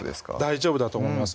大丈夫だと思います